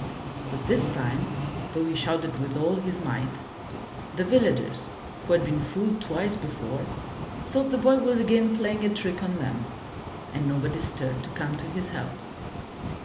But this time, though he shouted with all his might, the villagers who had been fooled twice before, thought the boy was again playing a trick on them, and nobody stirred to come to his help.